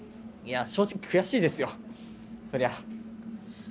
正直悔しいですよ、そりゃ。